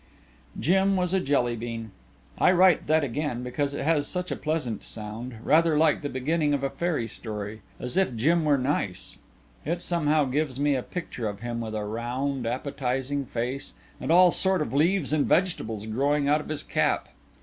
Jim was a Jelly bean. I write that again because it has such a pleasant sound rather like the beginning of a fairy story as if Jim were nice. It somehow gives me a picture of him with a round, appetizing face and all sort of leaves and vegetables growing out of his cap.